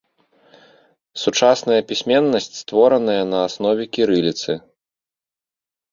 Сучасная пісьменнасць створаная на аснове кірыліцы.